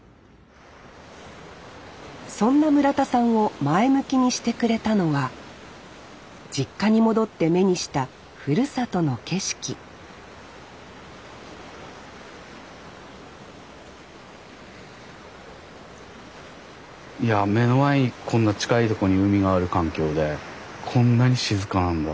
そんな村田さんを前向きにしてくれたのは実家に戻って目にしたふるさとの景色いや目の前にこんな近いとこに海がある環境でこんなに静かなんだ。